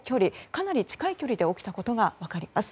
かなり近い距離で起きたことが分かります。